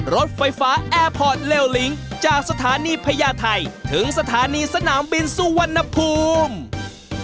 รถไฟฟ้าแอร์พอร์ตเลิ้งจากสถานีพญาไทยถึงสถานีสนามบินสุวรรณภูมิ